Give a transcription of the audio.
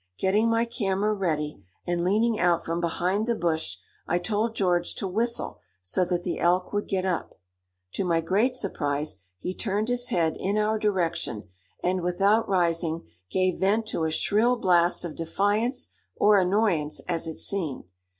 Getting my camera ready, and leaning out from behind the bush, I told George to whistle so that the elk would get up. To my great surprise, he turned his head in our direction and, without rising, gave vent to a shrill blast of defiance or annoyance, as it seemed.